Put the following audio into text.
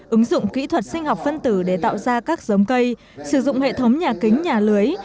ứng dụng kỹ thuật sinh học phân tử để tạo ra các giống cây sử dụng hệ thống nhà kính nhà lưới